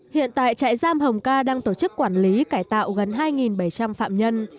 hiện tại trại giam hồng ca đang tổ chức quản lý cải tạo gần hai bảy trăm linh phạm nhân